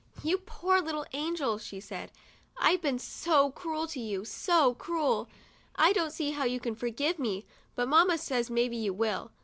" You poor little angel," she said ;" I've been so cruel to you, so cruel. I don't see how you can forgive me, but mamma says maybe you will.